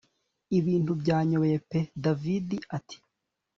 ibintu byanyobeye pe david ati